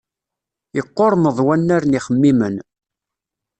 Yeqqurmeḍ wannar n yixemmimen.